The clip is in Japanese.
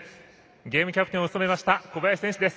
ゲームキャプテンを務めました小林選手です。